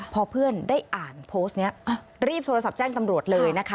พอเพื่อนได้อ่านโพสต์นี้รีบโทรศัพท์แจ้งตำรวจเลยนะคะ